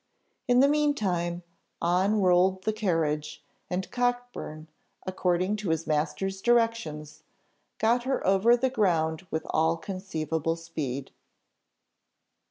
In the mean time, on rolled the carriage, and Cockburn, according to his master's directions, got her over the ground with all conceivable speed.